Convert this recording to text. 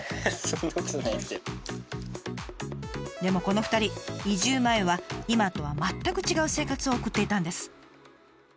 でもこの２人移住前は今とは全く違う生活を送っていたんです。